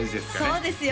そうですよ